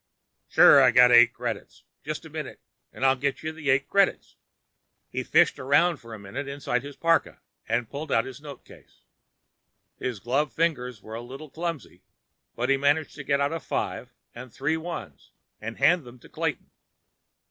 "Sure I got eight credits. Just a minute, and I'll give you eight credits." He fished around for a minute inside his parka, and pulled out his notecase. His gloved fingers were a little clumsy, but he managed to get out a five and three ones and hand them to Clayton.